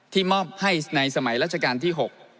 มอบให้ในสมัยราชการที่๖